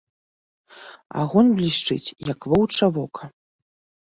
Агонь блішчыць, як воўча вока